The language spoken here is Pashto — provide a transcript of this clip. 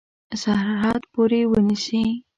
سرحد پوري ونیسي.